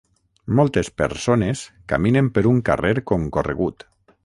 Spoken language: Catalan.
Moltes persones caminen per un carrer concorregut.